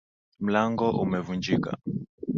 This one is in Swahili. Mlango umevunjika.